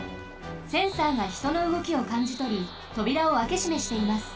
センサーがひとのうごきをかんじとりとびらをあけしめしています。